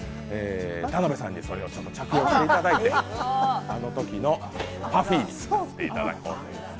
田辺さんにそれを着用していただいて、あのときのＰＵＦＦＹに来ていただきましょう。